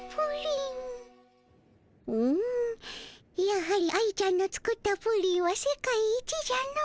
やはり愛ちゃんの作ったプリンは世界一じゃの。